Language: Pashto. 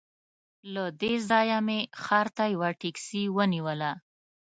له دې ځایه مې ښار ته یوه ټکسي ونیوله.